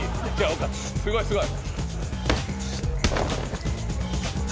すごいすごい。